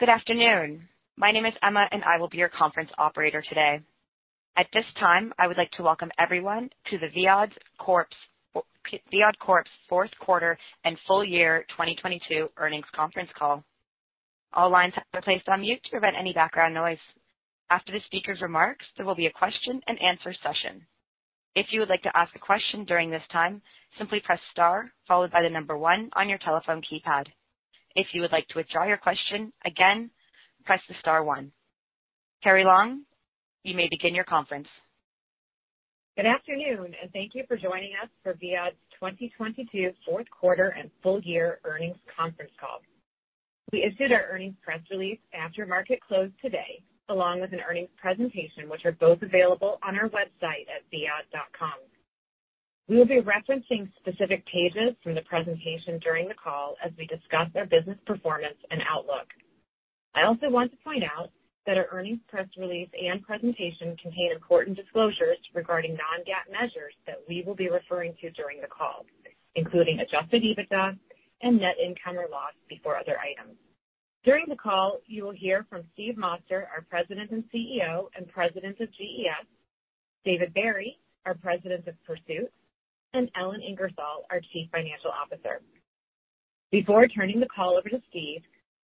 Good afternoon. My name is Emma. I will be your conference operator today. At this time, I would like to welcome everyone to Viad Corp's fourth quarter and full year 2022 earnings conference call. All lines have been placed on mute to prevent any background noise. After the speaker's remarks, there will be a question-and-answer session. If you would like to ask a question during this time, simply press * followed by 1 on your telephone keypad. If you would like to withdraw your question, again, press the *1. Carrie Long, you may begin your conference. Good afternoon. Thank you for joining us for Viad's 2022 fourth quarter and full year earnings conference call. We issued our earnings press release after market close today, along with an earnings presentation, which are both available on our website at viad.com. We will be referencing specific pages from the presentation during the call as we discuss our business performance and outlook. I also want to point out that our earnings press release and presentation contain important disclosures regarding non-GAAP measures that we will be referring to during the call, including adjusted EBITDA and net income or loss before other items. During the call, you will hear from Steve Moster, our President and CEO and President of GES, David Barry, our President of Pursuit, and Ellen Ingersoll, our Chief Financial Officer. Before turning the call over to Steve,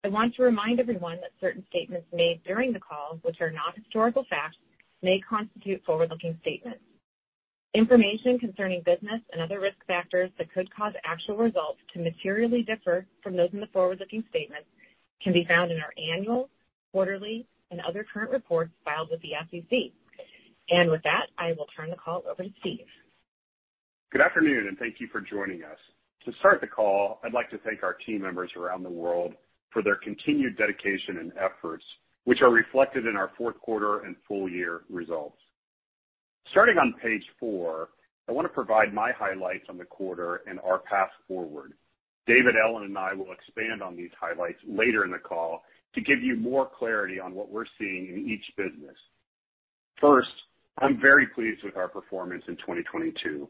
I want to remind everyone that certain statements made during the call, which are not historical facts, may constitute forward-looking statements. Information concerning business and other risk factors that could cause actual results to materially differ from those in the forward-looking statements can be found in our annual, quarterly and other current reports filed with the SEC. With that, I will turn the call over to Steve. Good afternoon. Thank you for joining us. To start the call, I'd like to thank our team members around the world for their continued dedication and efforts, which are reflected in our fourth quarter and full year results. Starting on page 4, I wanna provide my highlights on the quarter and our path forward. David, Ellen, and I will expand on these highlights later in the call to give you more clarity on what we're seeing in each business. First, I'm very pleased with our performance in 2022.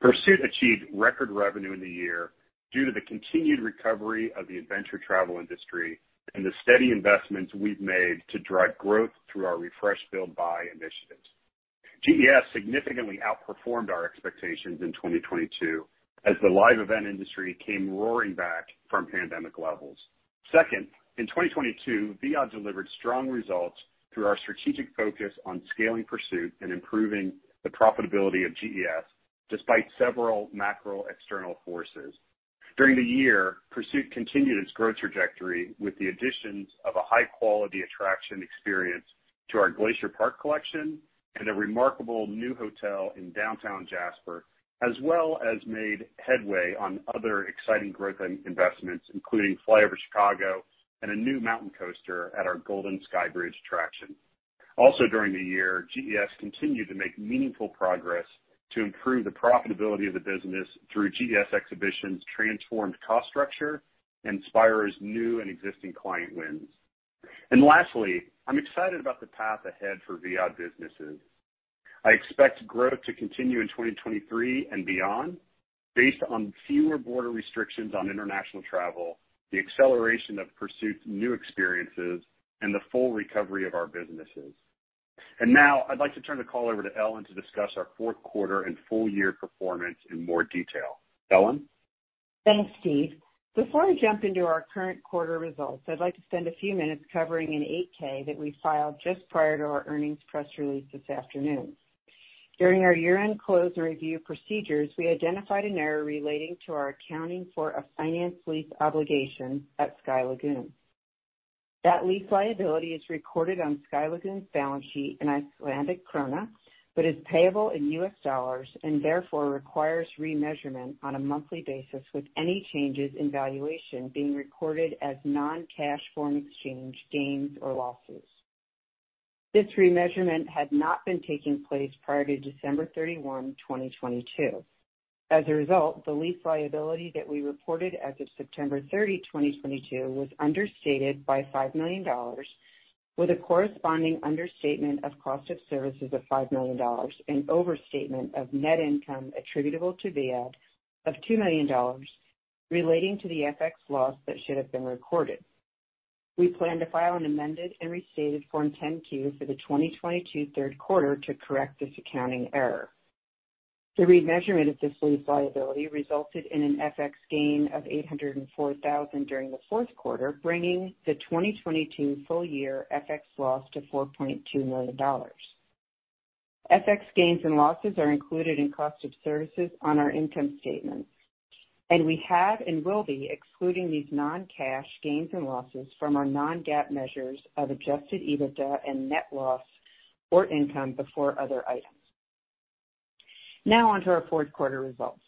Pursuit achieved record revenue in the year due to the continued recovery of the adventure travel industry and the steady investments we've made to drive growth through our refresh, build, buy initiatives. GES significantly outperformed our expectations in 2022 as the live event industry came roaring back from pandemic levels. Second, in 2022, Viad delivered strong results through our strategic focus on scaling Pursuit and improving the profitability of GES despite several macro external forces. During the year, Pursuit continued its growth trajectory with the additions of a high-quality attraction experience to our Glacier Park Collection and a remarkable new hotel in downtown Jasper, as well as made headway on other exciting growth and investments, including FlyOver Chicago and a new mountain coaster at our Golden Skybridge attraction. Also, during the year, GES continued to make meaningful progress to improve the profitability of the business through GES Exhibitions' transformed cost structure and Spiro's new and existing client wins. Lastly, I'm excited about the path ahead for Viad businesses. I expect growth to continue in 2023 and beyond based on fewer border restrictions on international travel, the acceleration of Pursuit's new experiences, and the full recovery of our businesses. Now I'd like to turn the call over to Ellen to discuss our fourth quarter and full year performance in more detail. Ellen? Thanks, Steve. Before I jump into our current quarter results, I'd like to spend a few minutes covering an 8-K that we filed just prior to our earnings press release this afternoon. During our year-end close and review procedures, we identified an error relating to our accounting for a finance lease obligation at Sky Lagoon. That lease liability is recorded on Sky Lagoon's balance sheet in Icelandic krona, but is payable in US dollars and therefore requires remeasurement on a monthly basis, with any changes in valuation being recorded as non-cash foreign exchange gains or losses. This remeasurement had not been taking place prior to December 31, 2022. As a result, the lease liability that we reported as of September 30, 2022, was understated by $5 million, with a corresponding understatement of cost of services of $5 million, an overstatement of net income attributable to Viad of $2 million relating to the FX loss that should have been recorded. We plan to file an amended and restated Form 10-Q for the 2022 third quarter to correct this accounting error. The remeasurement of this lease liability resulted in an FX gain of $804 thousand during the fourth quarter, bringing the 2022 full year FX loss to $4.2 million. FX gains and losses are included in cost of services on our income statement, we have and will be excluding these non-cash gains and losses from our non-GAAP measures of adjusted EBITDA and net loss or income before other items. Now on to our fourth quarter results.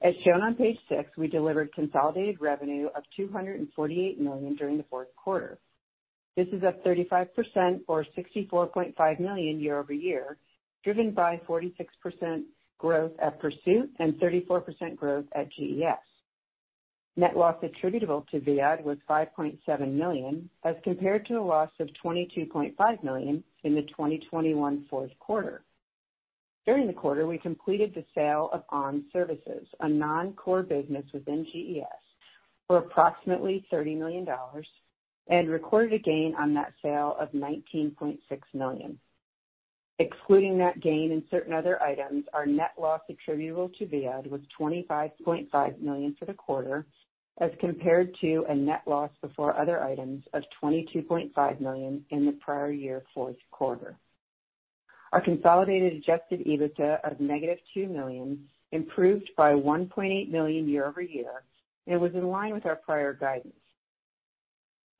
As shown on page six, we delivered consolidated revenue of $248 million during the fourth quarter. This is up 35% or $64.5 million year-over-year, driven by 46% growth at Pursuit and 34% growth at GES. Net loss attributable to Viad was $5.7 million, as compared to a loss of $22.5 million in the 2021 fourth quarter. During the quarter, we completed the sale of ON Services, a non-core business within GES, for approximately $30 million, and recorded a gain on that sale of $19.6 million. Excluding that gain and certain other items, our net loss attributable to Viad was $25.5 million for the quarter as compared to a net loss before other items of $22.5 million in the prior year fourth quarter. Our consolidated adjusted EBITDA of -$2 million improved by $1.8 million year-over-year and was in line with our prior guidance.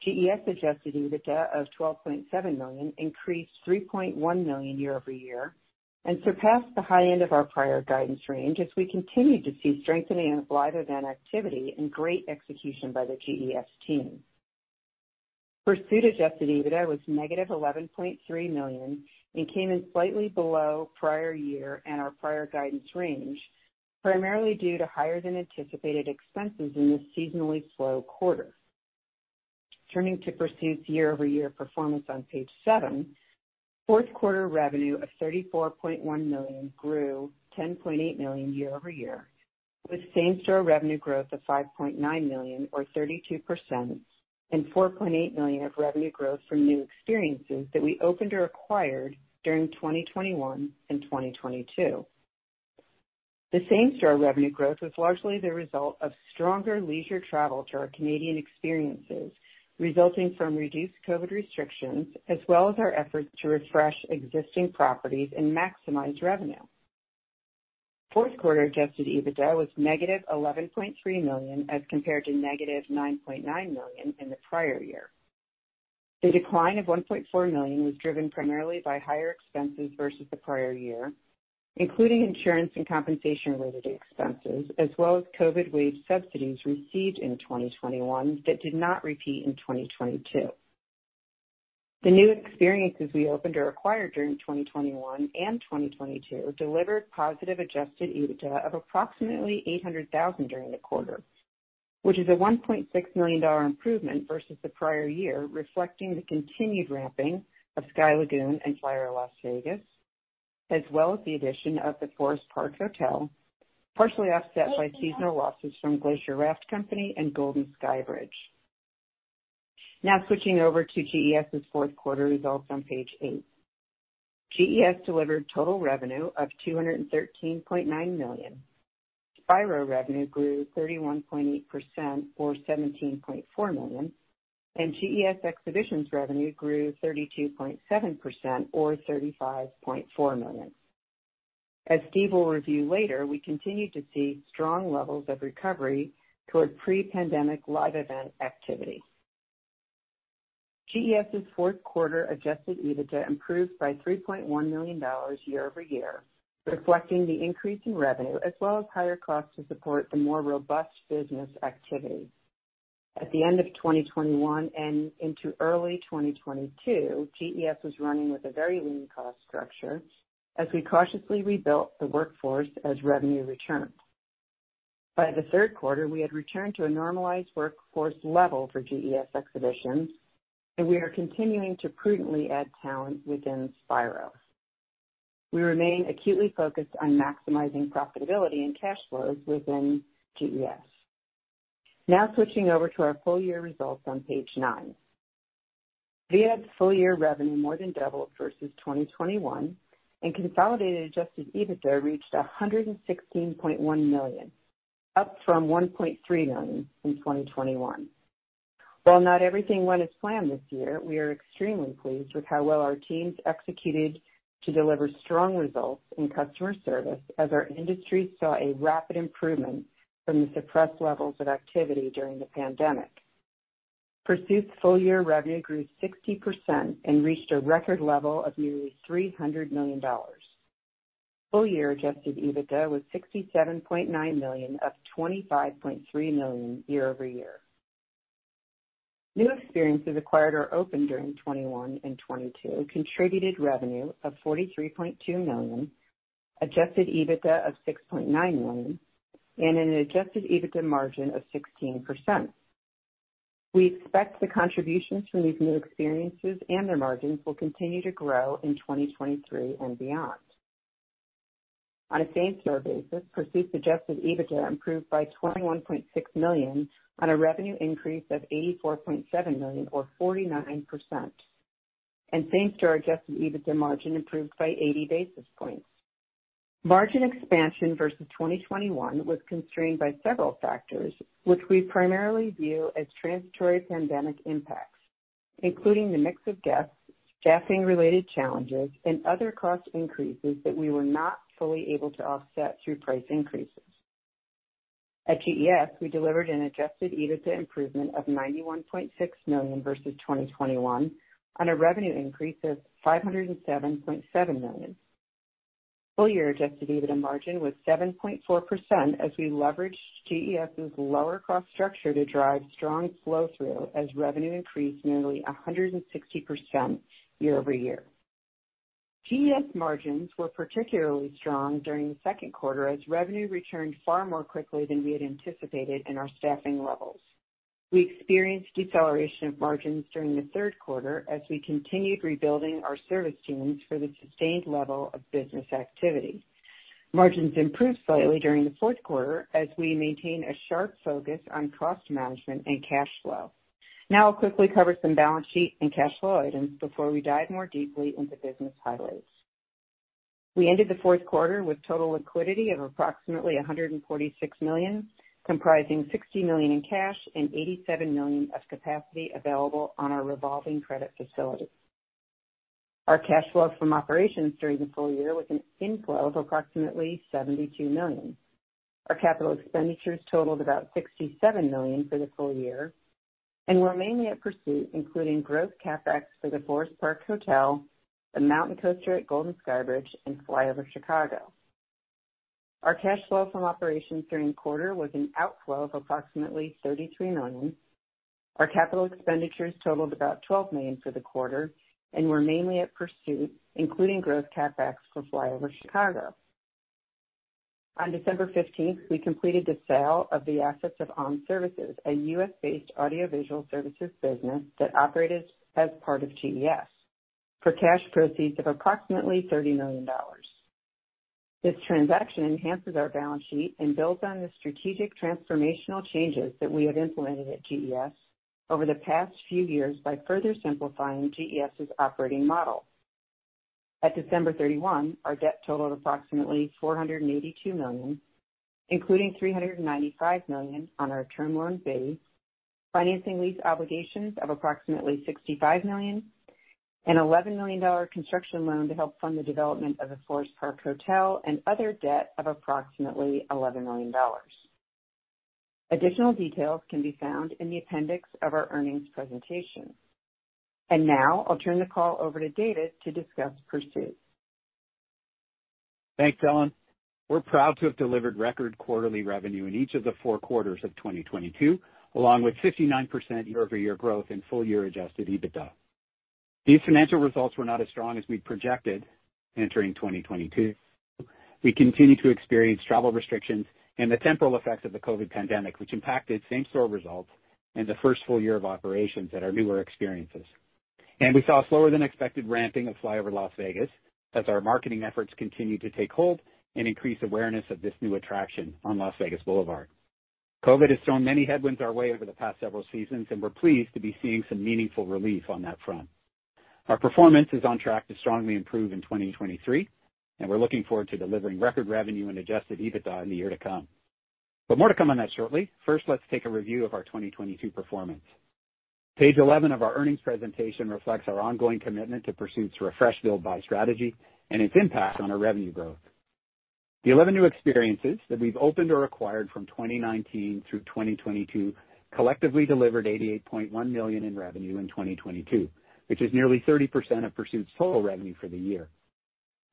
GES adjusted EBITDA of $12.7 million increased $3.1 million year-over-year and surpassed the high end of our prior guidance range as we continued to see strengthening of live event activity and great execution by the GES team. Pursuit adjusted EBITDA was -$11.3 million and came in slightly below prior year and our prior guidance range, primarily due to higher than anticipated expenses in this seasonally slow quarter. Turning to Pursuit's year-over-year performance on page 7. Fourth quarter revenue of $34.1 million grew $10.8 million year-over-year, with same-store revenue growth of $5.9 million or 32% and $4.8 million of revenue growth from new experiences that we opened or acquired during 2021 and 2022. The same-store revenue growth was largely the result of stronger leisure travel to our Canadian experiences, resulting from reduced COVID restrictions as well as our efforts to refresh existing properties and maximize revenue. Fourth quarter adjusted EBITDA was negative $11.3 million as compared to negative $9.9 million in the prior year. The decline of $1.4 million was driven primarily by higher expenses versus the prior year, including insurance and compensation-related expenses, as well as COVID wage subsidies received in 2021 that did not repeat in 2022. The new experiences we opened or acquired during 2021 and 2022 delivered positive adjusted EBITDA of approximately $800,000 during the quarter, which is a $1.6 million improvement versus the prior year, reflecting the continued ramping of Sky Lagoon and FlyOver Las Vegas, as well as the addition of the Forest Park Hotel, partially offset by seasonal losses from Glacier Raft Company and Golden Skybridge. Switching over to GES's fourth quarter results on page 8. GES delivered total revenue of $213.9 million. Spiro revenue grew 31.8% or $17.4 million, and GES Exhibitions revenue grew 32.7% or $35.4 million. As Steve will review later, we continue to see strong levels of recovery toward pre-pandemic live event activity. GES's fourth quarter adjusted EBITDA improved by $3.1 million year-over-year, reflecting the increase in revenue as well as higher costs to support the more robust business activity. At the end of 2021 and into early 2022, GES was running with a very lean cost structure as we cautiously rebuilt the workforce as revenue returned. By the third quarter, we had returned to a normalized workforce level for GES Exhibitions, and we are continuing to prudently add talent within Spiro. We remain acutely focused on maximizing profitability and cash flows within GES. Switching over to our full year results on page 9. Viad's full year revenue more than doubled versus 2021. Consolidated adjusted EBITDA reached $116.1 million, up from $1.3 million in 2021. While not everything went as planned this year, we are extremely pleased with how well our teams executed to deliver strong results in customer service as our industry saw a rapid improvement from the suppressed levels of activity during the pandemic. Pursuit's full year revenue grew 60% and reached a record level of nearly $300 million. Full year adjusted EBITDA was $67.9 million, up $25.3 million year-over-year. New experiences acquired or opened during 2021 and 2022 contributed revenue of $43.2 million, adjusted EBITDA of $6.9 million, and an adjusted EBITDA margin of 16%. We expect the contributions from these new experiences and their margins will continue to grow in 2023 and beyond. On a same-store basis, Pursuit's adjusted EBITDA improved by $21.6 million on a revenue increase of $84.7 million or 49% and same-store adjusted EBITDA margin improved by 80 basis points. Margin expansion versus 2021 was constrained by several factors, which we primarily view as transitory pandemic impacts, including the mix of guests, staffing related challenges, and other cost increases that we were not fully able to offset through price increases. At GES, we delivered an adjusted EBITDA improvement of $91.6 million versus 2021 on a revenue increase of $507.7 million. Full year adjusted EBITDA margin was 7.4% as we leveraged GES's lower cost structure to drive strong flow through as revenue increased nearly 160% year-over-year. GES margins were particularly strong during the second quarter as revenue returned far more quickly than we had anticipated in our staffing levels. We experienced deceleration of margins during the third quarter as we continued rebuilding our service teams for the sustained level of business activity. Margins improved slightly during the fourth quarter as we maintain a sharp focus on cost management and cash flow. Now I'll quickly cover some balance sheet and cash flow items before we dive more deeply into business highlights. We ended the fourth quarter with total liquidity of approximately $146 million, comprising $60 million in cash and $87 million of capacity available on our revolving credit facility. Our cash flow from operations during the full year was an inflow of approximately $72 million. Our capital expenditures totaled about $67 million for the full year and were mainly at Pursuit, including growth CapEx for the Forest Park Hotel, the Mountain Coaster at Golden Skybridge, and FlyOver Chicago. Our cash flow from operations during the quarter was an outflow of approximately $33 million. Our capital expenditures totaled about $12 million for the quarter and were mainly at Pursuit, including growth CapEx for FlyOver Chicago. On December fifteenth, we completed the sale of the assets of ON Services, a U.S.-based audiovisual services business that operated as part of GES, for cash proceeds of approximately $30 million. This transaction enhances our balance sheet and builds on the strategic transformational changes that we have implemented at GES over the past few years by further simplifying GES' operating model. At December 31, our debt totaled approximately $482 million, including $395 million on our term loan base, financing lease obligations of approximately $65 million, an $11 million construction loan to help fund the development of the Forest Park Hotel, and other debt of approximately $11 million. Additional details can be found in the appendix of our earnings presentation. Now I'll turn the call over to David to discuss Pursuit. Thanks, Ellen. We're proud to have delivered record quarterly revenue in each of the 4 quarters of 2022, along with 59% year-over-year growth in full year adjusted EBITDA. These financial results were not as strong as we'd projected entering 2022. We continued to experience travel restrictions and the temporal effects of the COVID pandemic, which impacted same-store results in the first full year of operations at our newer experiences. We saw slower than expected ramping of FlyOver Las Vegas as our marketing efforts continued to take hold and increase awareness of this new attraction on Las Vegas Boulevard. COVID has thrown many headwinds our way over the past several seasons. We're pleased to be seeing some meaningful relief on that front. Our performance is on track to strongly improve in 2023, and we're looking forward to delivering record revenue and adjusted EBITDA in the year to come. More to come on that shortly. First, let's take a review of our 2022 performance. Page 11 of our earnings presentation reflects our ongoing commitment to Pursuit's refresh, build, buy strategy and its impact on our revenue growth. The 11 new experiences that we've opened or acquired from 2019 through 2022 collectively delivered $88.1 million in revenue in 2022, which is nearly 30% of Pursuit's total revenue for the year.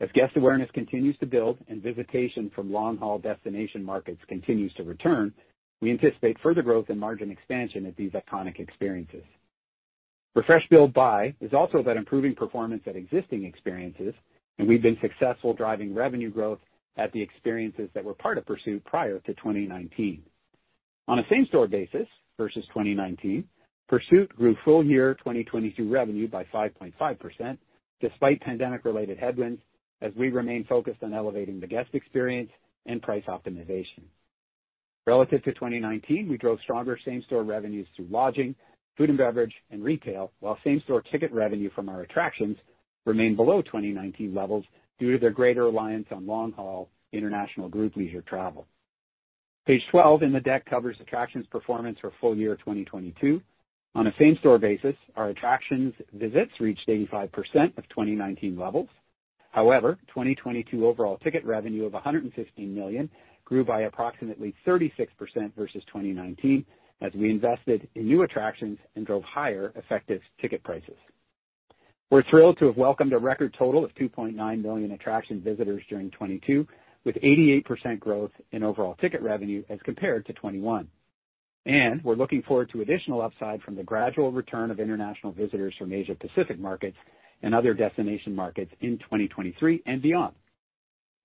As guest awareness continues to build and visitation from long-haul destination markets continues to return, we anticipate further growth and margin expansion at these iconic experiences. Refresh, build, buy is also about improving performance at existing experiences. We've been successful driving revenue growth at the experiences that were part of Pursuit prior to 2019. On a same-store basis versus 2019, Pursuit grew full year 2022 revenue by 5.5%, despite pandemic-related headwinds as we remain focused on elevating the guest experience and price optimization. Relative to 2019, we drove stronger same-store revenues through lodging, food and beverage, and retail, while same-store ticket revenue from our attractions remained below 2019 levels due to their greater reliance on long-haul international group leisure travel. Page 12 in the deck covers attractions performance for full year 2022. On a same-store basis, our attractions visits reached 85% of 2019 levels. However, 2022 overall ticket revenue of $115 million grew by approximately 36% versus 2019 as we invested in new attractions and drove higher effective ticket prices. We're thrilled to have welcomed a record total of 2.9 million attraction visitors during 2022, with 88% growth in overall ticket revenue as compared to 2021. We're looking forward to additional upside from the gradual return of international visitors from Asia Pacific markets and other destination markets in 2023 and beyond.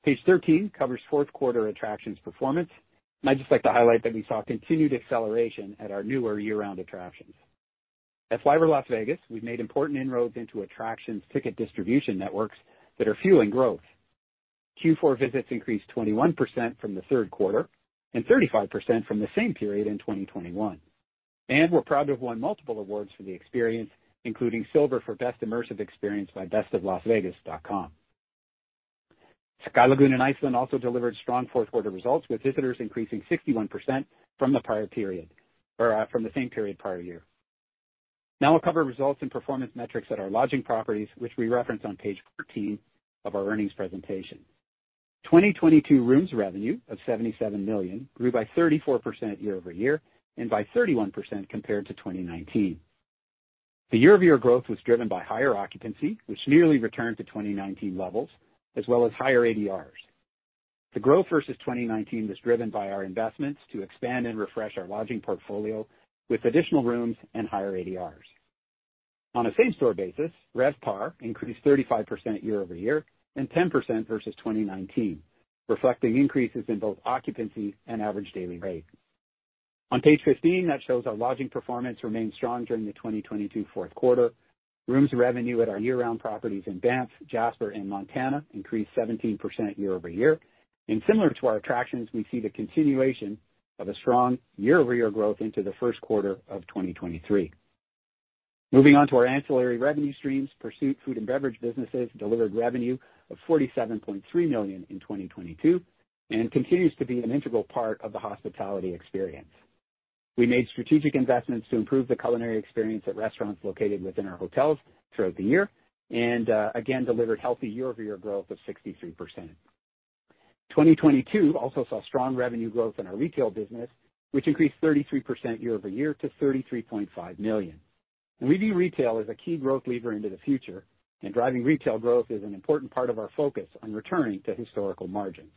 Page 13 covers fourth quarter attractions performance, and I'd just like to highlight that we saw continued acceleration at our newer year-round attractions. At FlyOver Las Vegas, we've made important inroads into attractions ticket distribution networks that are fueling growth. Q4 visits increased 21% from the third quarter and 35% from the same period in 2021. We're proud to have won multiple awards for the experience, including Silver for Best Immersive Experience by bestoflasvegas.com. Sky Lagoon in Iceland also delivered strong fourth quarter results, with visitors increasing 61% from the same period prior year. Now we'll cover results and performance metrics at our lodging properties, which we reference on page 14 of our earnings presentation. 2022 rooms revenue of $77 million grew by 34% year-over-year and by 31% compared to 2019. The year-over-year growth was driven by higher occupancy, which nearly returned to 2019 levels, as well as higher ADRs. The growth versus 2019 was driven by our investments to expand and refresh our lodging portfolio with additional rooms and higher ADRs. On a same-store basis, RevPAR increased 35% year-over-year and 10% versus 2019, reflecting increases in both occupancy and average daily rate. On page 15, that shows our lodging performance remained strong during the 2022 fourth quarter. Rooms revenue at our year-round properties in Banff, Jasper, and Montana increased 17% year-over-year. Similar to our attractions, we see the continuation of a strong year-over-year growth into the first quarter of 2023. Moving on to our ancillary revenue streams, Pursuit food and beverage businesses delivered revenue of $47.3 million in 2022 and continues to be an integral part of the hospitality experience. We made strategic investments to improve the culinary experience at restaurants located within our hotels throughout the year and again, delivered healthy year-over-year growth of 63%. 2022 also saw strong revenue growth in our retail business, which increased 33% year-over-year to $33.5 million. We view retail as a key growth lever into the future, and driving retail growth is an important part of our focus on returning to historical margins.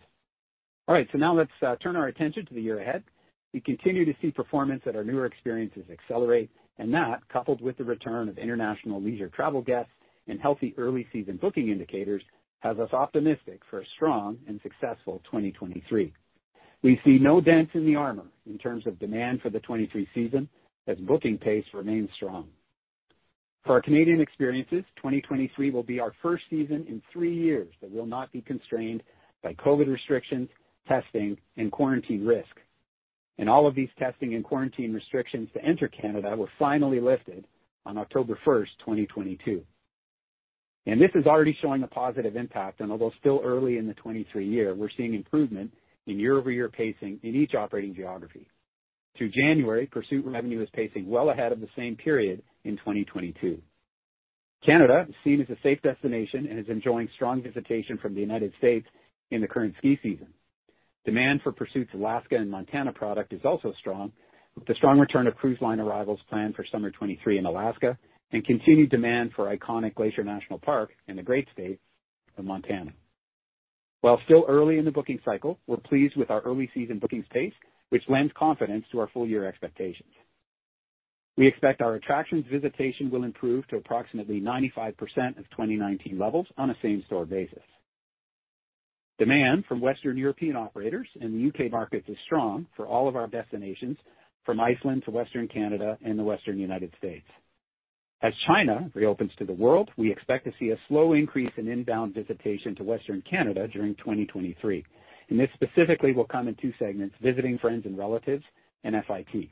All right. Now let's turn our attention to the year ahead. We continue to see performance at our newer experiences accelerate, and that, coupled with the return of international leisure travel guests and healthy early-season booking indicators, has us optimistic for a strong and successful 2023. We see no dent in the armor in terms of demand for the 2023 season as booking pace remains strong. For our Canadian experiences, 2023 will be our first season in three years that will not be constrained by COVID restrictions, testing, and quarantine risks. All of these testing and quarantine restrictions to enter Canada were finally lifted on October 1, 2022. This is already showing a positive impact, and although still early in the 2023 year, we're seeing improvement in year-over-year pacing in each operating geography. Through January, Pursuit revenue is pacing well ahead of the same period in 2022. Canada is seen as a safe destination and is enjoying strong visitation from the United States in the current ski season. Demand for Pursuit's Alaska and Montana product is also strong, with the strong return of cruise line arrivals planned for summer 2023 in Alaska and continued demand for iconic Glacier National Park in the great state of Montana. While still early in the booking cycle, we're pleased with our early season bookings pace, which lends confidence to our full-year expectations. We expect our attractions visitation will improve to approximately 95% of 2019 levels on a same-store basis. Demand from Western European operators in the UK markets is strong for all of our destinations from Iceland to Western Canada and the Western United States. As China reopens to the world, we expect to see a slow increase in inbound visitation to Western Canada during 2023. This specifically will come in 2 segments: visiting friends and relatives and FIT.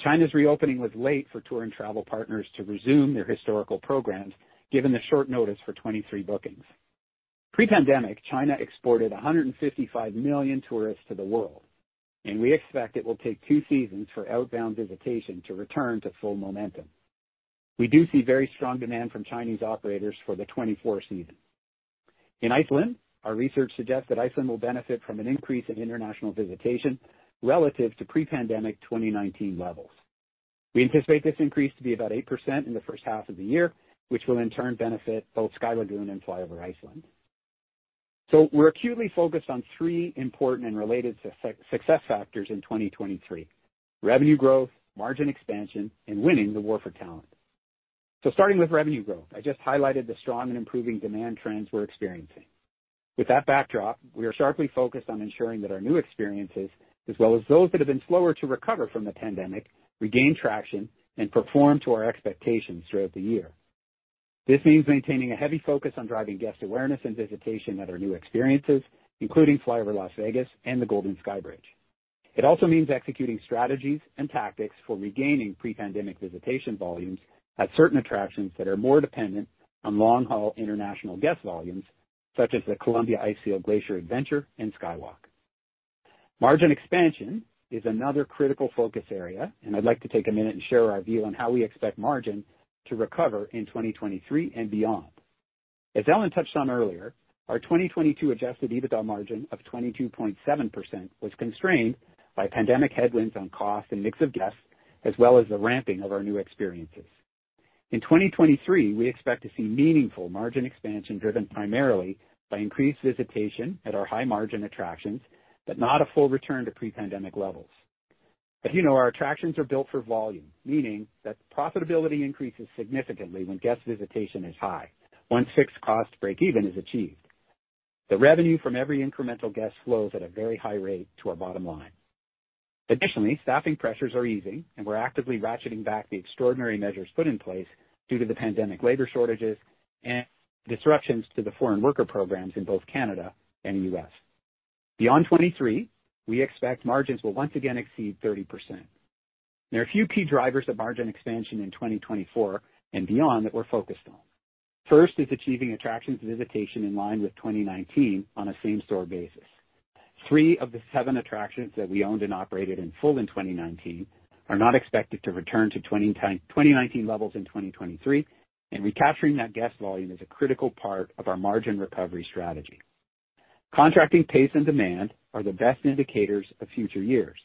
China's reopening was late for tour and travel partners to resume their historical programs given the short notice for 2023 bookings. Pre-pandemic, China exported 155 million tourists to the world. We expect it will take 2 seasons for outbound visitation to return to full momentum. We do see very strong demand from Chinese operators for the 2024 season. In Iceland, our research suggests that Iceland will benefit from an increase in international visitation relative to pre-pandemic 2019 levels. We anticipate this increase to be about 8% in the first half of the year, which will in turn benefit both Sky Lagoon and FlyOver Iceland. We're acutely focused on 3 important and related success factors in 2023: revenue growth, margin expansion, and winning the war for talent. Starting with revenue growth, I just highlighted the strong and improving demand trends we're experiencing. With that backdrop, we are sharply focused on ensuring that our new experiences, as well as those that have been slower to recover from the pandemic, regain traction and perform to our expectations throughout the year. This means maintaining a heavy focus on driving guest awareness and visitation at our new experiences, including FlyOver Las Vegas and the Golden Skybridge. It also means executing strategies and tactics for regaining pre-pandemic visitation volumes at certain attractions that are more dependent on long-haul international guest volumes, such as the Columbia Icefield Adventure and Skywalk. Margin expansion is another critical focus area, and I'd like to take a minute and share our view on how we expect margin to recover in 2023 and beyond. As Ellen touched on earlier, our 2022 adjusted EBITDA margin of 22.7% was constrained by pandemic headwinds on cost and mix of guests, as well as the ramping of our new experiences. In 2023, we expect to see meaningful margin expansion driven primarily by increased visitation at our high-margin attractions, but not a full return to pre-pandemic levels. As you know, our attractions are built for volume, meaning that profitability increases significantly when guest visitation is high once fixed cost break even is achieved. The revenue from every incremental guest flows at a very high rate to our bottom line. Additionally, staffing pressures are easing, and we're actively ratcheting back the extraordinary measures put in place due to the pandemic labor shortages and disruptions to the foreign worker programs in both Canada and U.S. Beyond 2023, we expect margins will once again exceed 30%. There are a few key drivers of margin expansion in 2024 and beyond that we're focused on. First is achieving attractions visitation in line with 2019 on a same-store basis. Three of the seven attractions that we owned and operated in full in 2019 are not expected to return to 2019 levels in 2023, and recapturing that guest volume is a critical part of our margin recovery strategy. Contracting pace and demand are the best indicators of future years.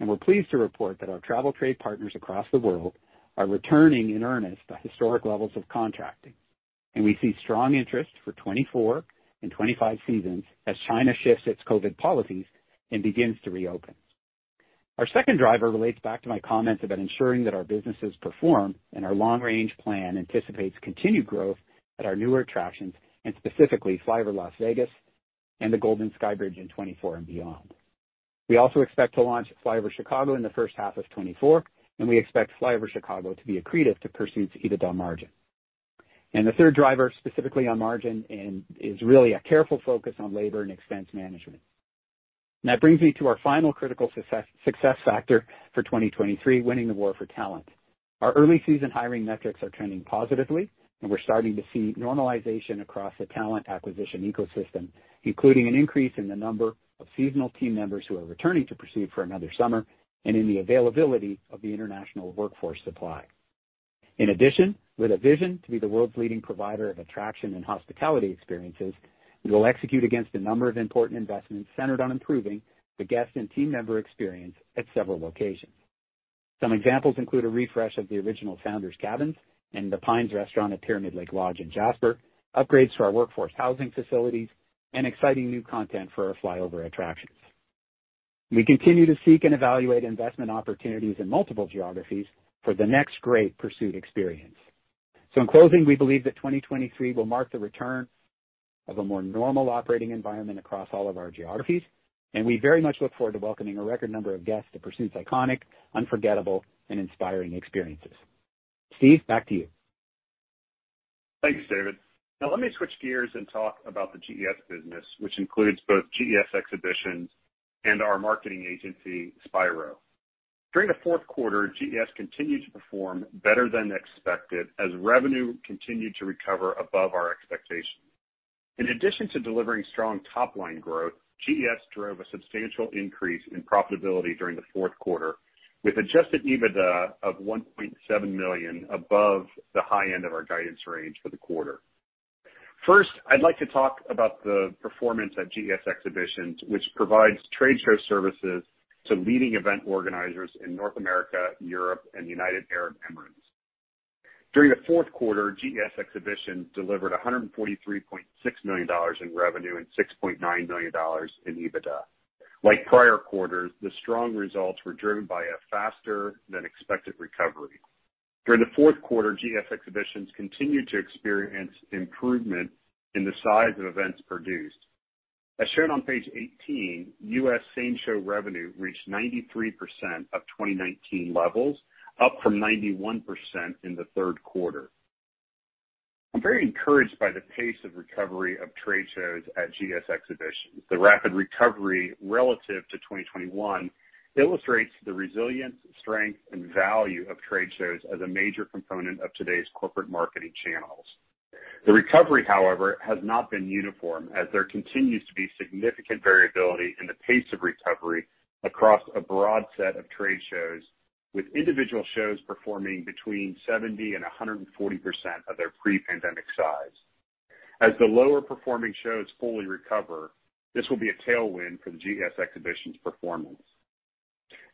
We're pleased to report that our travel trade partners across the world are returning in earnest to historic levels of contracting. We see strong interest for 2024 and 2025 seasons as China shifts its COVID policies and begins to reopen. Our second driver relates back to my comments about ensuring that our businesses perform. Our long-range plan anticipates continued growth at our newer attractions, specifically FlyOver Las Vegas and the Golden Skybridge in 2024 and beyond. We also expect to launch FlyOver Chicago in the first half of 2024. We expect FlyOver Chicago to be accretive to Pursuit's EBITDA margin. The third driver, specifically on margin is really a careful focus on labor and expense management. That brings me to our final critical success factor for 2023, winning the war for talent. Our early season hiring metrics are trending positively, and we're starting to see normalization across the talent acquisition ecosystem, including an increase in the number of seasonal team members who are returning to Pursuit for another summer and in the availability of the international workforce supply. In addition, with a vision to be the world's leading provider of attraction and hospitality experiences, we will execute against a number of important investments centered on improving the guest and team member experience at several locations. Some examples include a refresh of the original founder's cabins and the Pines Restaurant at Pyramid Lake Lodge in Jasper, upgrades to our workforce housing facilities, and exciting new content for our FlyOver attractions. We continue to seek and evaluate investment opportunities in multiple geographies for the next great Pursuit experience. In closing, we believe that 2023 will mark the return of a more normal operating environment across all of our geographies, and we very much look forward to welcoming a record number of guests to Pursuit's iconic, unforgettable, and inspiring experiences. Steve, back to you. Thanks, David. Let me switch gears and talk about the GES business, which includes both GES Exhibitions and our marketing agency, Spiro. During the fourth quarter, GES continued to perform better than expected as revenue continued to recover above our expectations. In addition to delivering strong top-line growth, GES drove a substantial increase in profitability during the fourth quarter, with adjusted EBITDA of $1.7 million above the high end of our guidance range for the quarter. I'd like to talk about the performance at GES Exhibitions, which provides trade show services to leading event organizers in North America, Europe, and the United Arab Emirates. During the fourth quarter, GES Exhibitions delivered $143.6 million in revenue and $6.9 million in EBITDA. Like prior quarters, the strong results were driven by a faster than expected recovery. During the fourth quarter, GES Exhibitions continued to experience improvement in the size of events produced. As shared on page 18, US same show revenue reached 93% of 2019 levels, up from 91% in the third quarter. I'm very encouraged by the pace of recovery of trade shows at GES Exhibitions. The rapid recovery relative to 2021 illustrates the resilience, strength, and value of trade shows as a major component of today's corporate marketing channels. The recovery, however, has not been uniform, as there continues to be significant variability in the pace of recovery across a broad set of trade shows, with individual shows performing between 70 and 140% of their pre-pandemic size. As the lower performing shows fully recover, this will be a tailwind for the GES Exhibitions performance.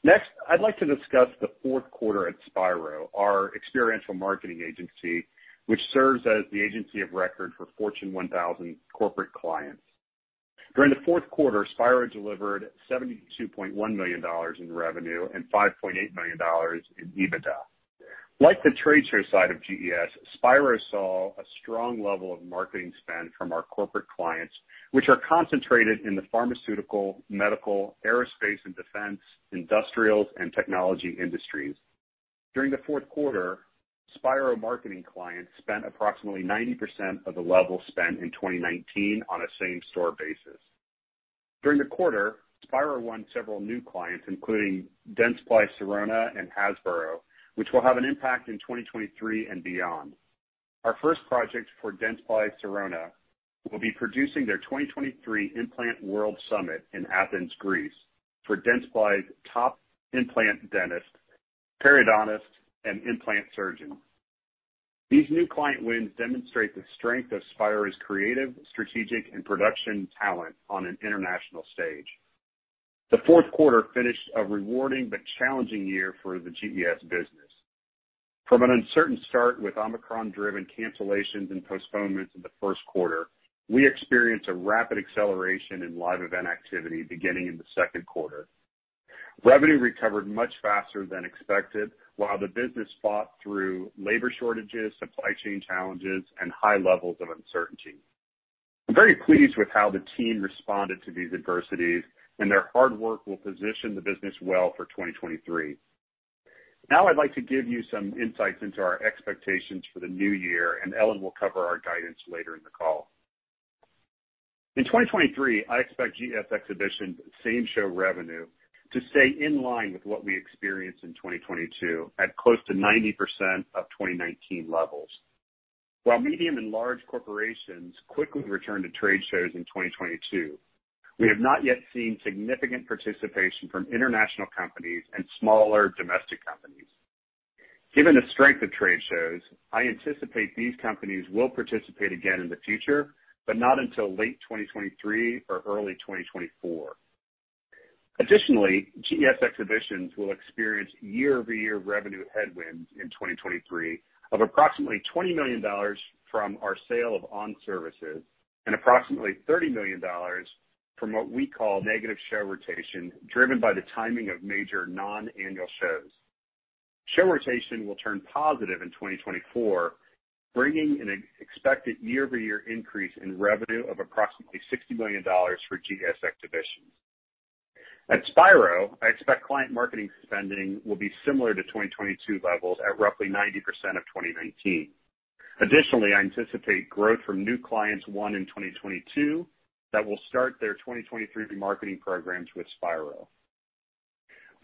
Next, I'd like to discuss the fourth quarter at Spiro, our experiential marketing agency, which serves as the agency of record for Fortune 1000 corporate clients. During the fourth quarter, Spiro delivered $72.1 million in revenue and $5.8 million in EBITDA. Like the trade show side of GES, Spiro saw a strong level of marketing spend from our corporate clients, which are concentrated in the pharmaceutical, medical, aerospace and defense, industrials, and technology industries. During the fourth quarter, Spiro marketing clients spent approximately 90% of the level spent in 2019 on a same-store basis. During the quarter, Spiro won several new clients, including Dentsply Sirona and Hasbro, which will have an impact in 2023 and beyond. Our first project for Dentsply Sirona will be producing their 2023 Implant World Summit in Athens, Greece, for Dentsply's top implant dentists, periodontists, and implant surgeons. These new client wins demonstrate the strength of Spiro's creative, strategic, and production talent on an international stage. The fourth quarter finished a rewarding but challenging year for the GES business. From an uncertain start with Omicron-driven cancellations and postponements in the first quarter, we experienced a rapid acceleration in live event activity beginning in the second quarter. Revenue recovered much faster than expected, while the business fought through labor shortages, supply chain challenges, and high levels of uncertainty. I'm very pleased with how the team responded to these adversities. Their hard work will position the business well for 2023. I'd like to give you some insights into our expectations for the new year, and Ellen will cover our guidance later in the call. In 2023, I expect GES Exhibitions same show revenue to stay in line with what we experienced in 2022 at close to 90% of 2019 levels. While medium and large corporations quickly returned to trade shows in 2022, we have not yet seen significant participation from international companies and smaller domestic companies. Given the strength of trade shows, I anticipate these companies will participate again in the future, but not until late 2023 or early 2024. Additionally, GES Exhibitions will experience year-over-year revenue headwinds in 2023 of approximately $20 million from our sale of ON Services. Approximately $30 million from what we call negative show rotation, driven by the timing of major non-annual shows. Show rotation will turn positive in 2024, bringing an expected year-over-year increase in revenue of approximately $60 million for GES Exhibitions. At Spiro, I expect client marketing spending will be similar to 2022 levels at roughly 90% of 2019. Additionally, I anticipate growth from new clients won in 2022 that will start their 2023 marketing programs with Spiro.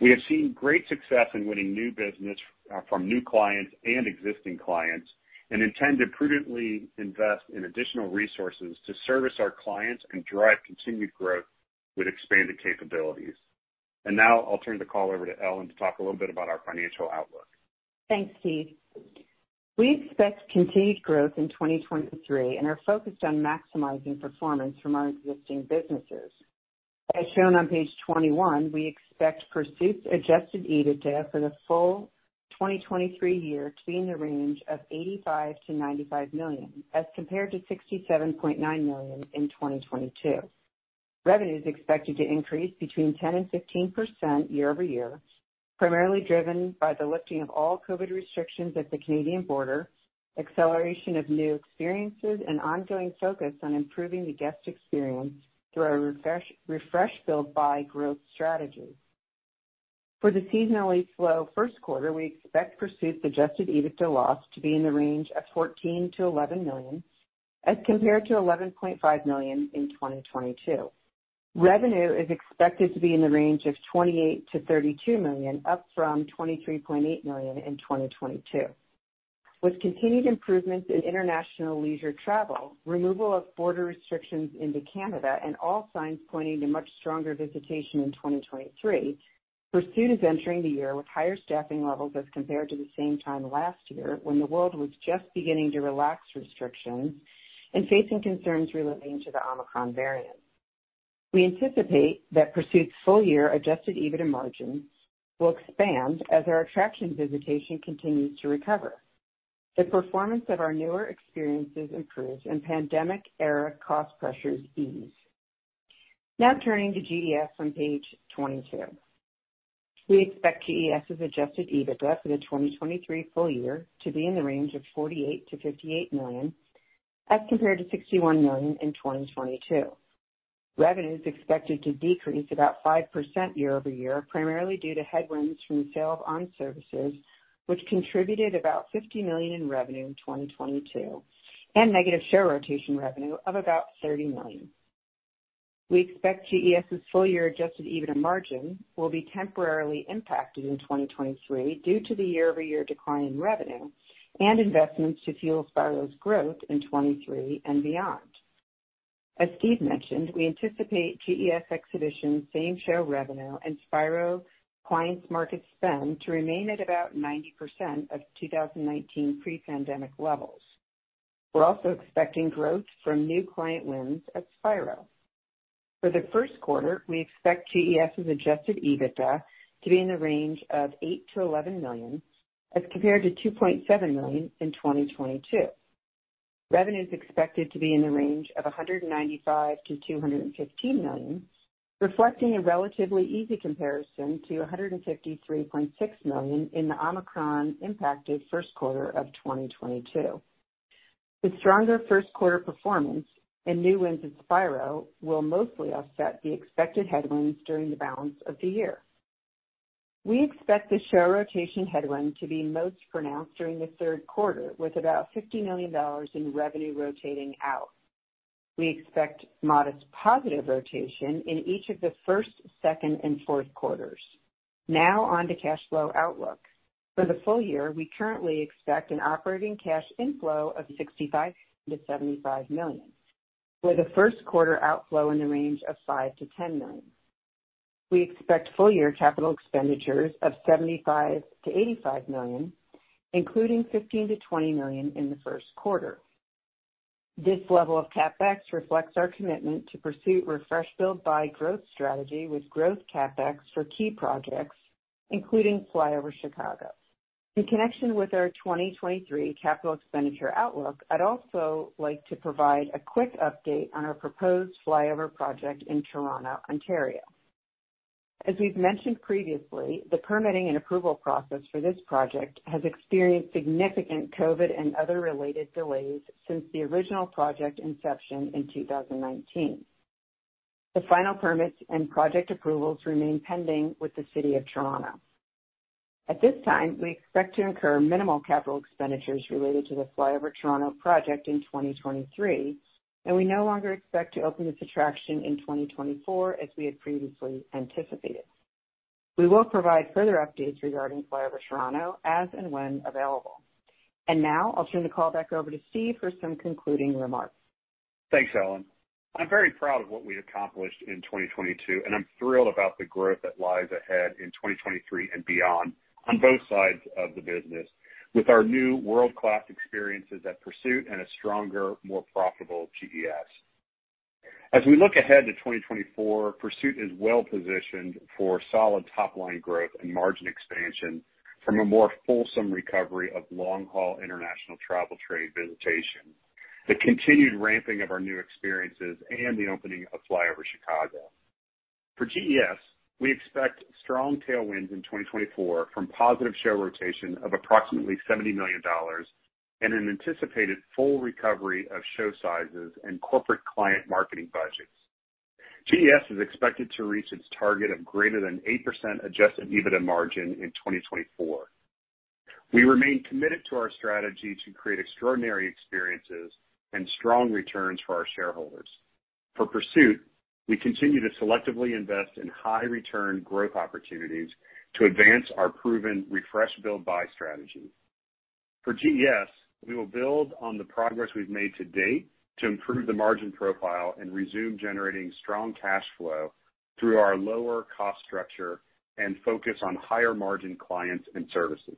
We have seen great success in winning new business from new clients and existing clients, and intend to prudently invest in additional resources to service our clients and drive continued growth with expanded capabilities. Now I'll turn the call over to Ellen to talk a little bit about our financial outlook. Thanks, Steve. We expect continued growth in 2023 and are focused on maximizing performance from our existing businesses. As shown on page 21, we expect Pursuit's adjusted EBITDA for the full 2023 year to be in the range of $85 million-$95 million, as compared to $67.9 million in 2022. Revenue is expected to increase between 10%-15% year-over-year, primarily driven by the lifting of all COVID restrictions at the Canadian border, acceleration of new experiences, and ongoing focus on improving the guest experience through our refresh, build, buy growth strategy. For the seasonally slow first quarter, we expect Pursuit's adjusted EBITDA loss to be in the range of -$14 million to -$11 million, as compared to $11.5 million in 2022. Revenue is expected to be in the range of $28 million-$32 million, up from $23.8 million in 2022. With continued improvements in international leisure travel, removal of border restrictions into Canada and all signs pointing to much stronger visitation in 2023, Pursuit is entering the year with higher staffing levels as compared to the same time last year when the world was just beginning to relax restrictions and facing concerns relating to the Omicron variant. We anticipate that Pursuit's full year adjusted EBITDA margins will expand as our attraction visitation continues to recover, the performance of our newer experiences improves and pandemic-era cost pressures ease. Now turning to GES on page 22. We expect GES's adjusted EBITDA for the 2023 full year to be in the range of $48 million-$58 million, as compared to $61 million in 2022. Revenue is expected to decrease about 5% year-over-year, primarily due to headwinds from the sale of ON Services, which contributed about $50 million in revenue in 2022, negative show rotation revenue of about $30 million. We expect GES's full-year adjusted EBITDA margin will be temporarily impacted in 2023 due to the year-over-year decline in revenue and investments to fuel Spiro's growth in 2023 and beyond. As Steve mentioned, we anticipate GES Exhibitions same show revenue and Spiro clients market spend to remain at about 90% of 2019 pre-pandemic levels. We're also expecting growth from new client wins at Spiro. For the 1st quarter, we expect GES's adjusted EBITDA to be in the range of $8 million-$11 million, as compared to $2.7 million in 2022. Revenue is expected to be in the range of $195 million-$215 million, reflecting a relatively easy comparison to $153.6 million in the Omicron-impacted first quarter of 2022. The stronger first quarter performance and new wins at Spiro will mostly offset the expected headwinds during the balance of the year. We expect the show rotation headwind to be most pronounced during the third quarter, with about $50 million in revenue rotating out. We expect modest positive rotation in each of the first, second, and fourth quarters. On to cash flow outlook. For the full year, we currently expect an operating cash inflow of $65 million-$75 million, with a first quarter outflow in the range of $5 million-$10 million. We expect full year capital expenditures of $75 million-$85 million, including $15 million-$20 million in the first quarter. This level of CapEx reflects our commitment to Pursuit refresh, build, buy growth strategy with growth CapEx for key projects, including FlyOver Chicago. In connection with our 2023 capital expenditure outlook, I'd also like to provide a quick update on our proposed FlyOver project in Toronto, Ontario. As we've mentioned previously, the permitting and approval process for this project has experienced significant COVID and other related delays since the original project inception in 2019. The final permits and project approvals remain pending with the City of Toronto. At this time, we expect to incur minimal capital expenditures related to the FlyOver Canada project in 2023, and we no longer expect to open this attraction in 2024 as we had previously anticipated. We will provide further updates regarding FlyOver Canada as and when available. Now I'll turn the call back over to Steve for some concluding remarks. Thanks, Ellen. I'm very proud of what we accomplished in 2022, and I'm thrilled about the growth that lies ahead in 2023 and beyond on both sides of the business with our new world-class experiences at Pursuit and a stronger, more profitable GES. As we look ahead to 2024, Pursuit is well positioned for solid top line growth and margin expansion from a more fulsome recovery of long-haul international travel trade visitation, the continued ramping of our new experiences, and the opening of FlyOver Chicago. For GES, we expect strong tailwinds in 2024 from positive show rotation of approximately $70 million and an anticipated full recovery of show sizes and corporate client marketing budgets. GES is expected to reach its target of greater than 8% adjusted EBITDA margin in 2024. We remain committed to our strategy to create extraordinary experiences and strong returns for our shareholders. For Pursuit, we continue to selectively invest in high return growth opportunities to advance our proven refresh, build, buy strategy. For GES, we will build on the progress we've made to date to improve the margin profile and resume generating strong cash flow through our lower cost structure and focus on higher margin clients and services.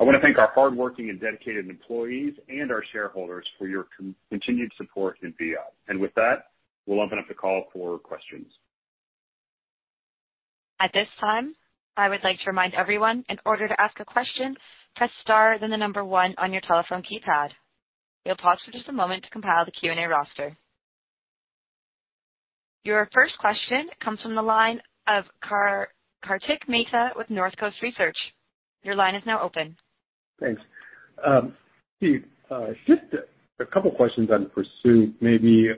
I wanna thank our hardworking and dedicated employees and our shareholders for your continued support in Viad. With that, we'll open up the call for questions. At this time, I would like to remind everyone, in order to ask a question, press * then the number 1 on your telephone keypad. We'll pause for just a moment to compile the Q&A roster. Your first question comes from the line of Kartik Mehta with Northcoast Research. Your line is now open. Thanks. Steve, just a couple of questions on Pursuit. Maybe,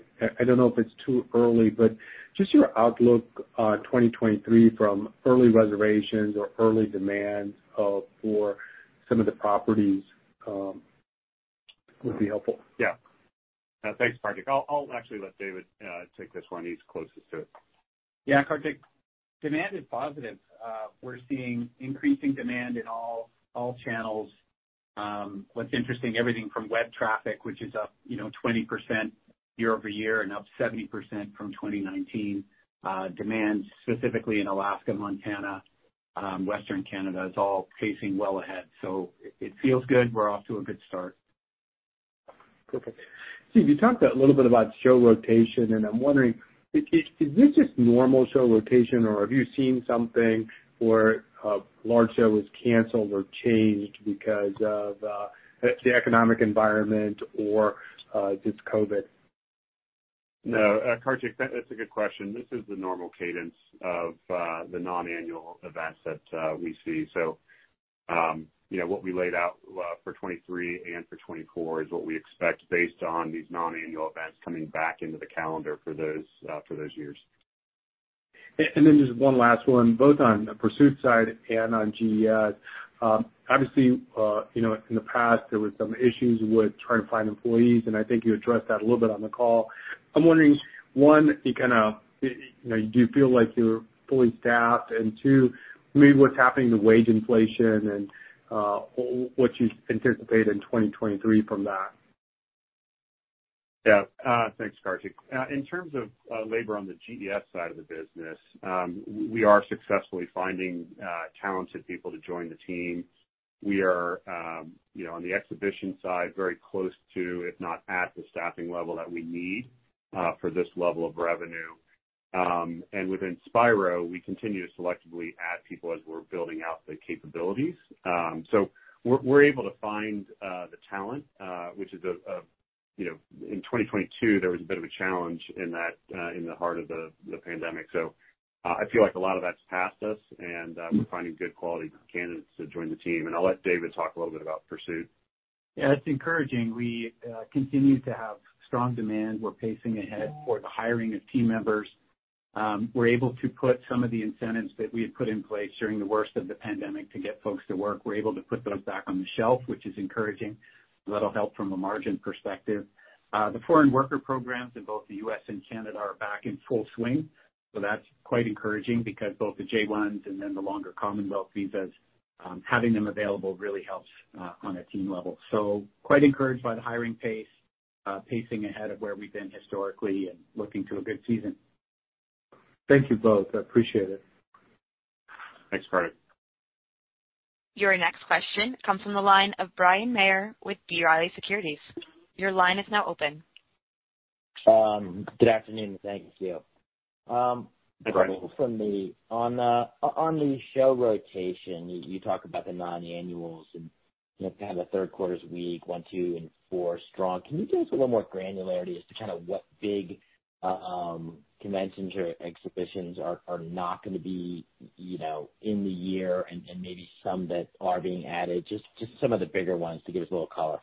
I don't know if it's too early, but just your outlook on 2023 from early reservations or early demand for some of the properties would be helpful. Yeah. Thanks, Kartik. I'll actually let David take this one. He's closest to it. Yeah, Kartik, demand is positive. We're seeing increasing demand in all channels. What's interesting, everything from web traffic, which is up, you know, 20% year-over-year and up 70% from 2019. Demand specifically in Alaska, Montana, Western Canada is all pacing well ahead. It feels good. We're off to a good start. Perfect. Steve, you talked a little bit about show rotation, and I'm wondering, is this just normal show rotation or have you seen something where a large show was canceled or changed because of the economic environment or just COVID? No. Kartik, that's a good question. This is the normal cadence of the non-annual events that we see. You know, what we laid out for 2023 and for 2024 is what we expect based on these non-annual events coming back into the calendar for those for those years. Just one last one, both on the Pursuit side and on GES. Obviously, you know, in the past, there were some issues with trying to find employees, and I think you addressed that a little bit on the call. I'm wondering, one, you kinda, you know, do you feel like you're fully staffed? And two, maybe what's happening to wage inflation and what you anticipate in 2023 from that. Yeah. Thanks, Kartik. In terms of labor on the GES side of the business, we are successfully finding talented people to join the team. We are, you know, on the exhibition side, very close to, if not at the staffing level that we need for this level of revenue. Within Spiro, we continue to selectively add people as we're building out the capabilities. We're able to find the talent, which is, you know, in 2022, there was a bit of a challenge in that in the heart of the pandemic. I feel like a lot of that's past us, and we're finding good quality candidates to join the team. I'll let David talk a little bit about Pursuit. Yeah, it's encouraging. We continue to have strong demand. We're pacing ahead for the hiring of team members. We're able to put some of the incentives that we had put in place during the worst of the pandemic to get folks to work, we're able to put those back on the shelf, which is encouraging. A little help from a margin perspective. The foreign worker programs in both the U.S. and Canada are back in full swing, so that's quite encouraging because both the J-1s and then the longer commonwealth visas, having them available really helps on a team level. Quite encouraged by the hiring pace, pacing ahead of where we've been historically and looking to a good season. Thank you both. I appreciate it. Thanks, Kartik. Your next question comes from the line of Bryan Maher with B. Riley Securities. Your line is now open. Good afternoon. Thank you. Hi, Bryan. For me, on the show rotation, you talk about the non-annuals and, you know, kind of the third quarter's weak, one, two, and four strong. Can you give us a little more granularity as to kind of what big conventions or exhibitions are not gonna be, you know, in the year and maybe some that are being added? Just some of the bigger ones to give us a little color.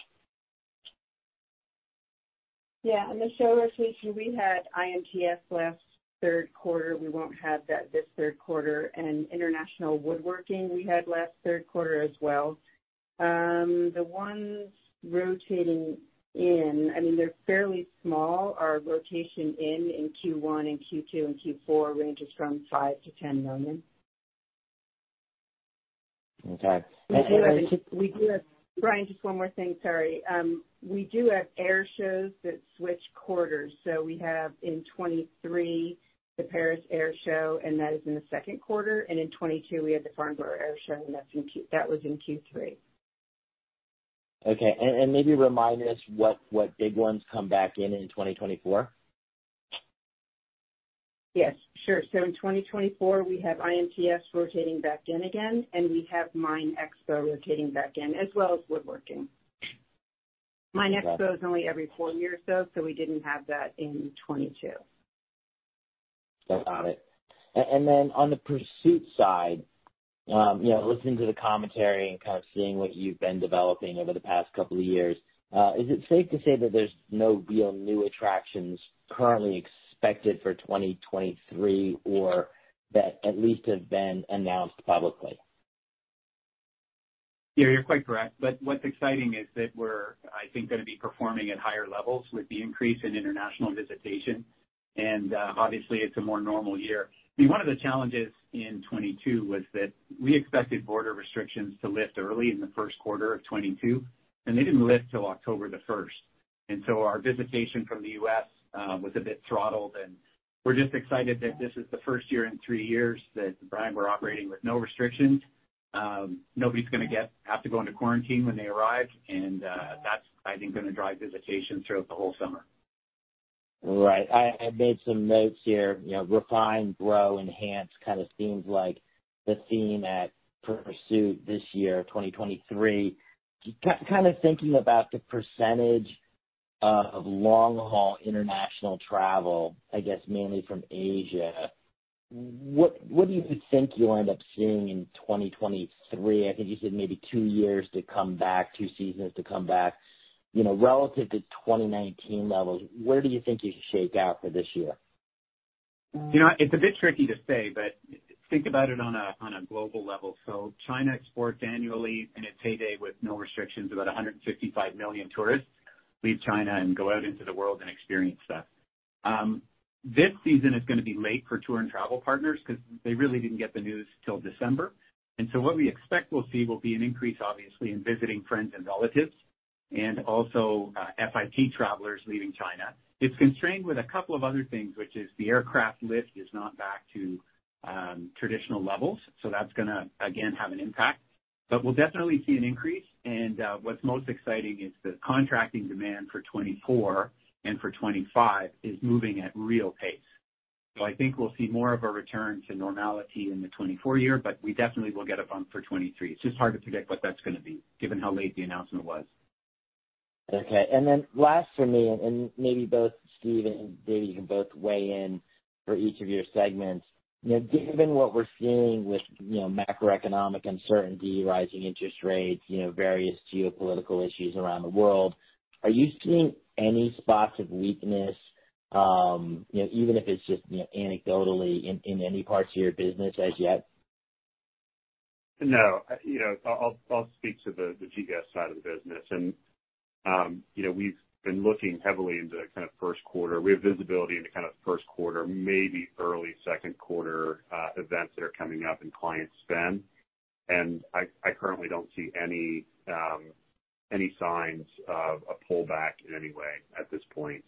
Yeah. On the show rotation, we had IMTS last third quarter. We won't have that this third quarter. International Woodworking we had last third quarter as well. The ones rotating in, I mean, they're fairly small. Our rotation in in Q1 and Q2 and Q4 ranges from $5 million-$10 million. Okay. We do have, Bryan, just one more thing. Sorry. We do have air shows that switch quarters. We have in 2023, the Paris Air Show, and that is in the second quarter. In 2022, we had the Farnborough International Airshow, and that was in Q3. Okay. Maybe remind us what big ones come back in 2024? Yes, sure. In 2024, we have IMTS rotating back in again, and we have MINExpo INTERNATIONAL rotating back in as well as woodworking. MINExpo INTERNATIONAL is only every four years though, so we didn't have that in 2022. Got it. And then on the Pursuit side, you know, listening to the commentary and kind of seeing what you've been developing over the past couple of years, is it safe to say that there's no real new attractions currently expected for 2023, or that at least have been announced publicly? Yeah, you're quite correct. What's exciting is that we're, I think, gonna be performing at higher levels with the increase in international visitation. Obviously, it's a more normal year. I mean, one of the challenges in 22 was that we expected border restrictions to lift early in the first quarter of 22, and they didn't lift till October the first. Our visitation from the U.S. was a bit throttled, and we're just excited that this is the first year in three years that, Bryan, we're operating with no restrictions. Nobody's gonna have to go into quarantine when they arrive. That's, I think, gonna drive visitation throughout the whole summer. Right. I made some notes here, you know, refine, grow, enhance kind of seems like the theme at Pursuit this year, 2023. kind of thinking about the percentage of long-haul international travel, I guess, mainly from Asia, what do you think you'll end up seeing in 2023? I think you said maybe two years to come back, two seasons to come back. You know, relative to 2019 levels, where do you think you should shake out for this year? You know, it's a bit tricky to say, but think about it on a global level. China exports annually in its heyday with no restrictions, about 155 million tourists leave China and go out into the world and experience stuff. This season is gonna be late for tour and travel partners 'cause they really didn't get the news till December. What we expect we'll see will be an increase, obviously, in visiting friends and relatives and also, FIT travelers leaving China. It's constrained with a couple of other things, which is the aircraft lift is not back to traditional levels, so that's gonna, again, have an impact. We'll definitely see an increase. What's most exciting is the contracting demand for 2024 and for 2025 is moving at real pace. I think we'll see more of a return to normality in the 2024 year, but we definitely will get a bump for 2023. It's just hard to predict what that's gonna be given how late the announcement was. Okay. Last for me, and maybe both Steve and David, you can both weigh in for each of your segments. You know, given what we're seeing with, you know, macroeconomic uncertainty, rising interest rates, you know, various geopolitical issues around the world, are you seeing any spots of weakness, you know, even if it's just, you know, anecdotally in any parts of your business as yet? No. You know, I'll speak to the GES side of the business. You know, we've been looking heavily into kind of first quarter. We have visibility into kind of first quarter, maybe early second quarter, events that are coming up in client spend. I currently don't see any signs of a pullback in any way at this point.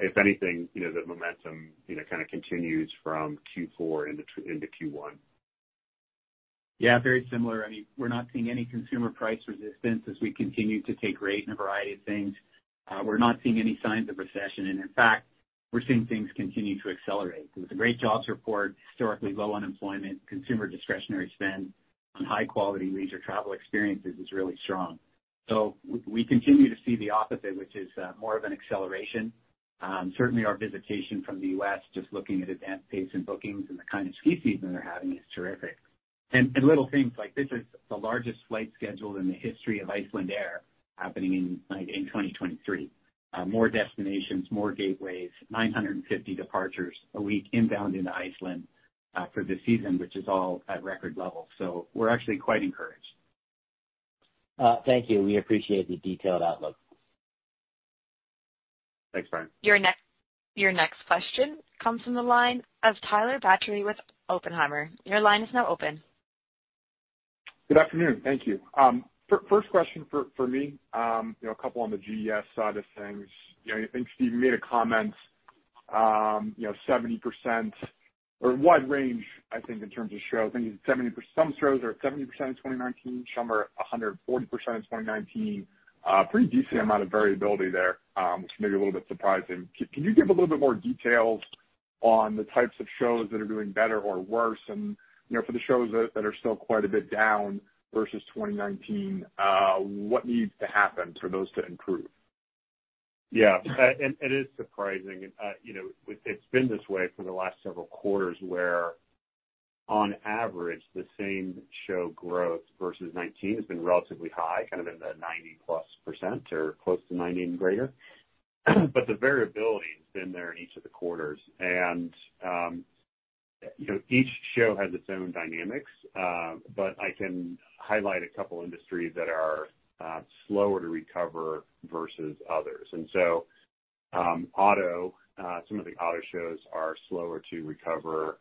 If anything, you know, the momentum, you know, kind of continues from Q4 into Q1. Yeah, very similar. I mean, we're not seeing any consumer price resistance as we continue to take rate in a variety of things. We're not seeing any signs of recession. In fact, we're seeing things continue to accelerate. With a great jobs report, historically low unemployment, consumer discretionary spend on high-quality leisure travel experiences is really strong. We continue to see the opposite, which is more of an acceleration. Certainly our visitation from the U.S., just looking at advance pace and bookings and the kind of ski season they're having is terrific. Little things like this is the largest flight schedule in the history of Icelandair happening in 2023. More destinations, more gateways, 950 departures a week inbound into Iceland for the season, which is all at record levels. We're actually quite encouraged. Thank you. We appreciate the detailed outlook. Thanks, Bryan. Your next question comes from the line of Tyler Batory with Oppenheimer. Your line is now open. Good afternoon. Thank you. First question for me, you know, a couple on the GES side of things. You know, I think Steve made a comment, you know, 70% or wide range, I think in terms of shows. I think it's 70%. Some shows are at 70% in 2019, some are 140% in 2019. Pretty decent amount of variability there, which may be a little bit surprising. Can you give a little bit more details on the types of shows that are doing better or worse? And, you know, for the shows that are still quite a bit down versus 2019, what needs to happen for those to improve? Yeah. It is surprising. You know, it's been this way for the last several quarters where on average, the same show growth versus 19 has been relatively high, kind of in the 90%+ or close to 90 and greater. The variability has been there in each of the quarters. You know, each show has its own dynamics, but I can highlight a couple industries that are slower to recover versus others. Auto, some of the auto shows are slower to recover.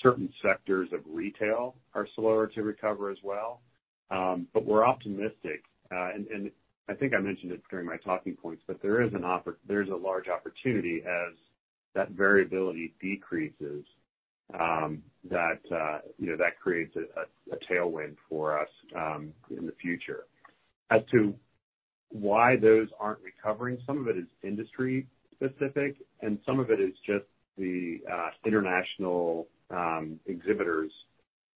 Certain sectors of retail are slower to recover as well. We're optimistic. I think I mentioned it during my talking points, there's a large opportunity as that variability decreases. You know, that creates a tailwind for us in the future. As to why those aren't recovering, some of it is industry specific, some of it is just the international exhibitors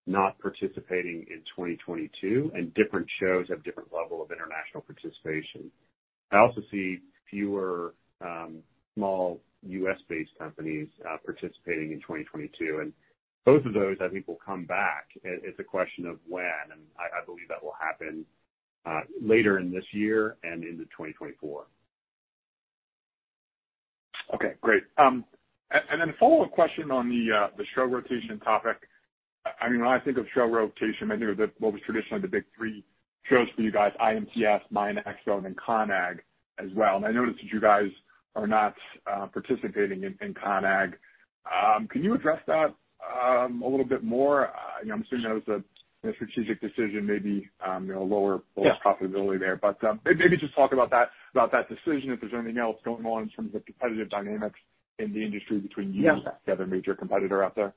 not participating in 2022. Different shows have different level of international participation. I also see fewer small U.S.-based companies participating in 2022. Both of those, I think will come back. It's a question of when. I believe that will happen later in this year and into 2024. Okay, great. And then a follow-up question on the show rotation topic. I mean, when I think of show rotation, I think of the, what was traditionally the big three shows for you guys, IMTS, MINExpo, and then CONEXPO as well. I noticed that you guys are not participating in CONEXPO. Can you address that a little bit more? You know, I'm assuming that was a strategic decision, maybe, you know, lower- Yeah profitability there. Maybe just talk about that decision, if there's anything else going on in terms of the competitive dynamics in the industry between you. Yeah The other major competitor out there.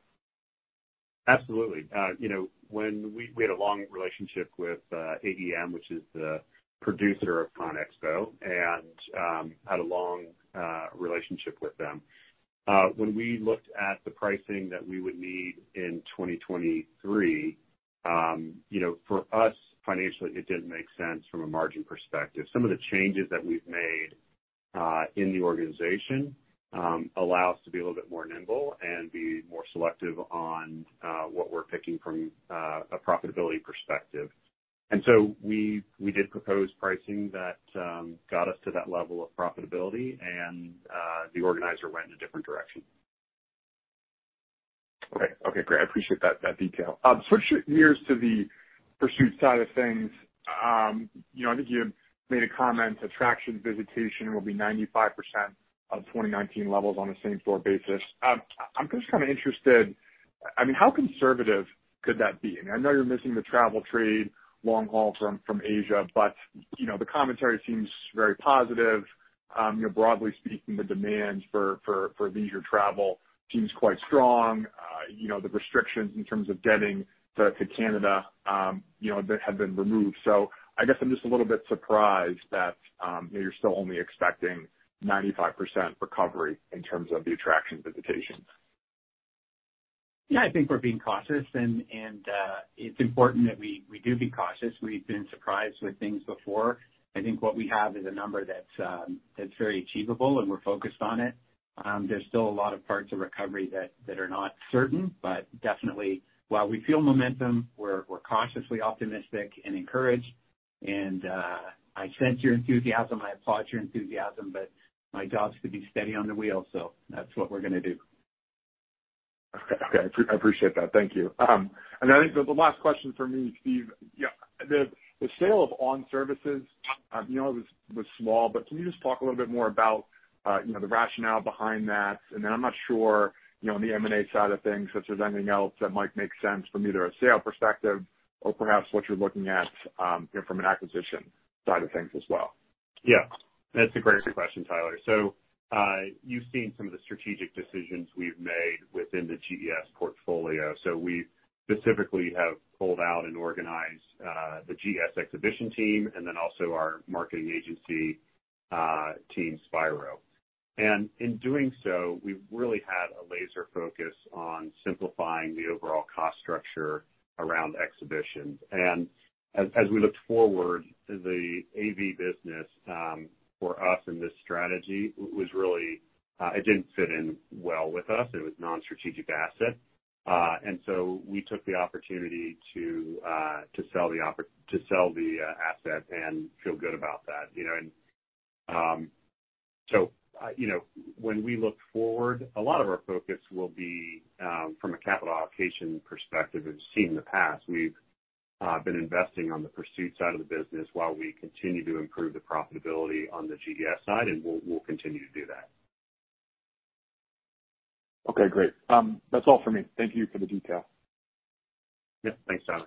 Absolutely. you know, when we had a long relationship with AEM, which is the producer of CONEXPO, and had a long relationship with them. When we looked at the pricing that we would need in 2023, you know, for us financially, it didn't make sense from a margin perspective. Some of the changes that we've made in the organization allow us to be a little bit more nimble and be more selective on what we're picking from a profitability perspective. We did propose pricing that got us to that level of profitability and the organizer went in a different direction. Okay. Okay, great. I appreciate that detail. Switching gears to the Pursuit side of things. You know, I think you made a comment, Attractions visitation will be 95% of 2019 levels on a same store basis. I'm just kinda interested, I mean, how conservative could that be? I mean, I know you're missing the travel trade long haul from Asia, but, you know, the commentary seems very positive. You know, broadly speaking, the demand for leisure travel seems quite strong. You know, the restrictions in terms of getting to Canada, you know, have been removed. I guess I'm just a little bit surprised that, you know, you're still only expecting 95% recovery in terms of the attraction visitations. Yeah, I think we're being cautious and it's important that we do be cautious. We've been surprised with things before. I think what we have is a number that's very achievable, and we're focused on it. There's still a lot of parts of recovery that are not certain, but definitely while we feel momentum, we're cautiously optimistic and encouraged. I sense your enthusiasm, I applaud your enthusiasm, but my job is to be steady on the wheel, that's what we're gonna do. Okay. Okay. I appreciate that. Thank you. I think the last question for me, Steve. Yeah, the sale of ON Services, you know, it was small, but can you just talk a little bit more about, you know, the rationale behind that? I'm not sure, you know, on the M&A side of things, if there's anything else that might make sense from either a sale perspective or perhaps what you're looking at, you know, from an acquisition side of things as well. Yeah. That's a great question, Tyler. You've seen some of the strategic decisions we've made within the GES portfolio. We specifically have pulled out and organized the GES exhibition team and then also our marketing agency team, Spiro. In doing so, we've really had a laser focus on simplifying the overall cost structure around exhibitions. As we looked forward, the AV business for us in this strategy was really. It didn't fit in well with us. It was non-strategic asset. We took the opportunity to sell the asset and feel good about that, you know? You know, when we look forward, a lot of our focus will be from a capital allocation perspective, as you've seen in the past. We've been investing on the Pursuit side of the business while we continue to improve the profitability on the GES side, and we'll continue to do that. Okay, great. That's all for me. Thank you for the detail. Yeah. Thanks, Tyler.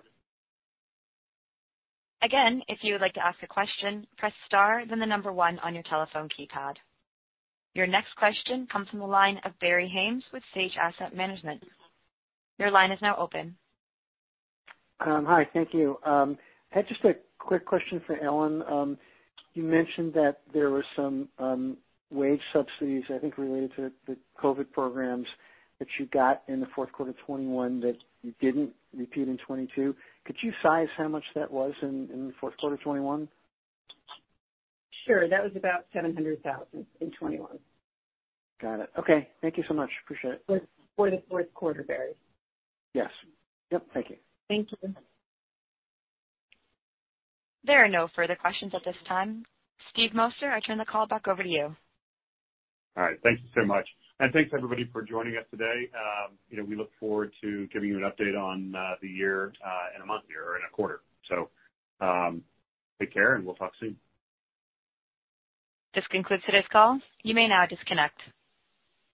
If you would like to ask a question, press * then the 1 on your telephone keypad. Your next question comes from the line of Barry Haimes with Sage Asset Management. Your line is now open. Hi. Thank you. Had just a quick question for Ellen. You mentioned that there was some wage subsidies, I think, related to the COVID programs that you got in Q4 2021 that you didn't repeat in 2022. Could you size how much that was in the Q4 2021? Sure. That was about $700,000 in 2021. Got it. Okay. Thank you so much. Appreciate it. For the fourth quarter, Barry. Yes. Yep. Thank you. Thank you. There are no further questions at this time. Steve Moster, I turn the call back over to you. All right. Thank you so much. Thanks everybody for joining us today. You know, we look forward to giving you an update on the year in a month here or in a quarter. Take care and we'll talk soon. This concludes today's call. You may now disconnect.